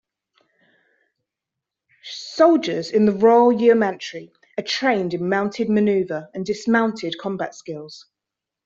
Soldiers in the Royal Yeomanry are trained in mounted manoeuvre and dismounted combat skills.